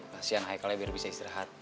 kasian haikalnya biar bisa istirahat